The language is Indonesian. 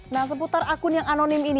nah seputar akun yang anonim ini